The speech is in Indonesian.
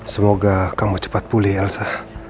semoga kamu cepat pulih elsa